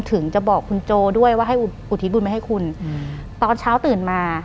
หลังจากนั้นเราไม่ได้คุยกันนะคะเดินเข้าบ้านอืม